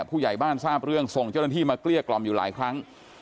ผู้ใหญ่บ้านทราบเรื่องส่งเจ้าหน้าที่มาเกลี้ยกล่อมอยู่หลายครั้ง